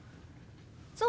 そう？